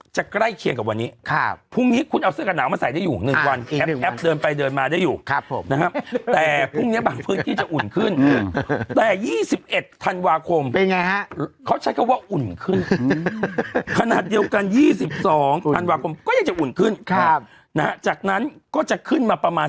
ใต้เคียงกับวันนี้ครับพรุ่งนี้คุณเอาเสื้อกับหนาวมาใส่ได้อยู่หนึ่งวันอีกหนึ่งวันแอปแอปเดินไปเดินมาได้อยู่ครับผมนะครับแต่พรุ่งเนี้ยบางพื้นที่จะอุ่นขึ้นอืมแต่ยี่สิบเอ็ดธันวาคมเป็นไงฮะเขาใช้คำว่าอุ่นขึ้นขนาดเดียวกันยี่สิบสองธันวาคมก็ยังจะอุ่นขึ้นครับนะฮะจากนั้นก็จะขึ้น